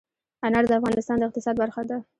انار د افغانستان د اقتصاد برخه ده.